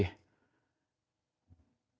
ค่ะ